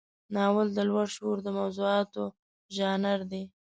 ناول د لوړ شعور د موضوعاتو ژانر دی.